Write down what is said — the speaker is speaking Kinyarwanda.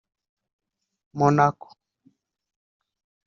Monaco